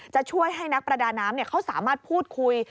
จะช่วยให้นักประดาน้ำเขาสามารถพูดคุย